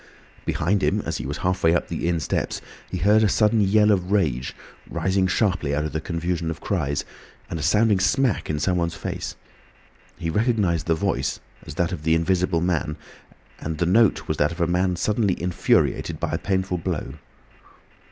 Behind him as he was halfway up the inn steps he heard a sudden yell of rage, rising sharply out of the confusion of cries, and a sounding smack in someone's face. He recognised the voice as that of the Invisible Man, and the note was that of a man suddenly infuriated by a painful blow.